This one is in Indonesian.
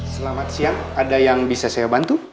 selamat siang ada yang bisa saya bantu